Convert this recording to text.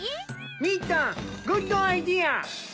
みーたんグッドアイデア！